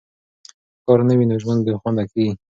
که کار نه وي، نو ژوند بې خونده کیږي.